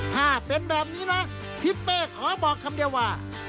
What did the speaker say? ถ้าเป็นแบบนี้นะทิศเป้ขอบอกคำเดียวว่า